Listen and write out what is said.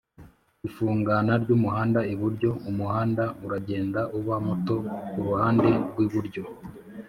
ifungana ry'umuhanda iburyo Umuhanda uragenda uba muto ku ruhande rw'iburyo